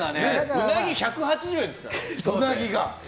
うなぎ、１８０円ですからね。